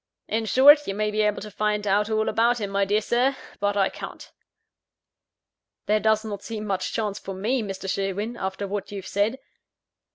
In short, you may be able to find out all about him, my dear Sir; but I can't." "There does not seem much chance for me, Mr. Sherwin, after what you have said."